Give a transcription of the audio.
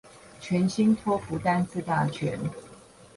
全新托福單字大全